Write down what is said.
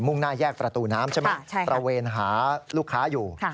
่งหน้าแยกประตูน้ำใช่ไหมตระเวนหาลูกค้าอยู่